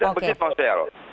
dan begitu saya tahu